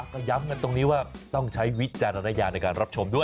ก็ย้ำกันตรงนี้ว่าต้องใช้วิจารณญาณในการรับชมด้วย